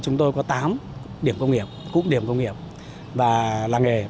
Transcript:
chúng tôi có tám điểm công nghiệp cụm điểm công nghiệp và làng nghề